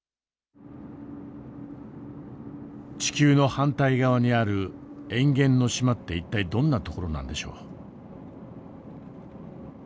地球の反対側にある塩原の島って一体どんな所なんでしょう？